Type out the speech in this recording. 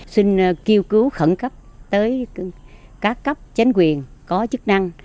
xin kêu cứu khẩn cấp tới các cấp chính quyền có chức năng